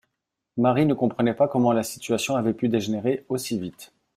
Marie ne comprenait pas comment la situation avait pu dégénérer aussi vite.